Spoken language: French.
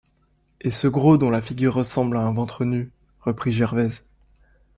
Et ce gros dont la figure ressemble à un ventre nu? reprit Gervaise.